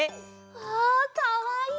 わあかわいい！